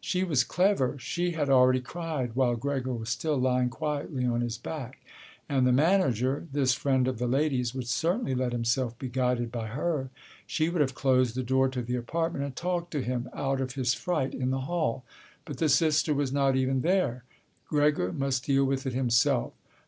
She was clever. She had already cried while Gregor was still lying quietly on his back. And the manager, this friend of the ladies, would certainly let himself be guided by her. She would have closed the door to the apartment and talked him out of his fright in the hall. But the sister was not even there. Gregor must deal with it himself.